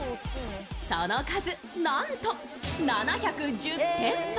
その数なんと７１０店舗。